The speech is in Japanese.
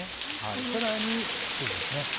さらにチーズです。